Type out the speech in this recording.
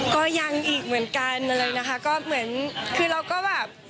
ก็ยังอีกเหมือนกันอะไรนะคะก็เหมือนคือเราก็แบบ